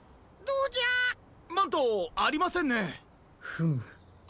フム。